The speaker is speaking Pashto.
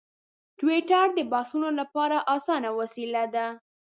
ټویټر د بحثونو لپاره اسانه وسیله ده.